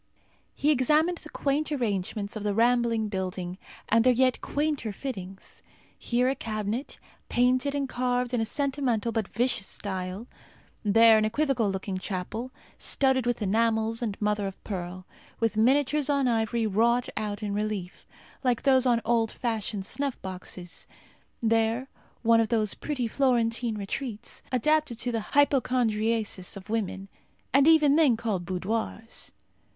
He examined the quaint arrangements of the rambling building, and their yet quainter fittings. Here, a cabinet, painted and carved in a sentimental but vicious style; there, an equivocal looking chapel, studded with enamels and mother of pearl, with miniatures on ivory wrought out in relief, like those on old fashioned snuff boxes; there, one of those pretty Florentine retreats, adapted to the hypochondriasis of women, and even then called boudoirs.